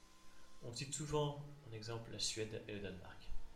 On cite souvent en exemple la Suède et le Danemark.